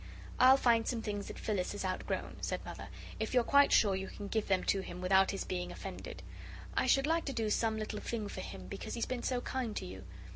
"I'll find some things that Phyllis has outgrown," said Mother, "if you're quite sure you can give them to him without his being offended. I should like to do some little thing for him because he's been so kind to you.